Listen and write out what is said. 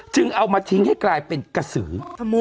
เอามาทิ้งให้กลายเป็นกระสือ